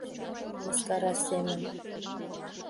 Мыскара семын